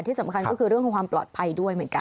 ที่สำคัญก็คือเรื่องของความปลอดภัยด้วยเหมือนกัน